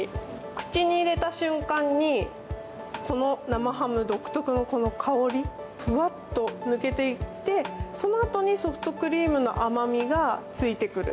口に入れた瞬間に、生ハム独特のこの香りがふわっと抜けていってそのあとにソフトクリームの甘みがついてくる。